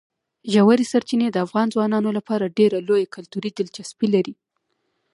ژورې سرچینې د افغان ځوانانو لپاره ډېره لویه کلتوري دلچسپي لري.